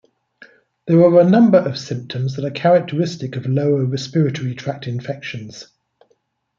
There are a number of symptoms that are characteristic of lower respiratory tract infections.